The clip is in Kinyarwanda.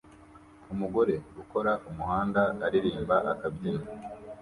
Umugore ukora umuhanda aririmba akabyina